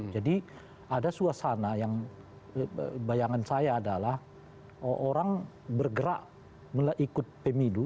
jadi ada suasana yang bayangan saya adalah orang bergerak mulai ikut pemilu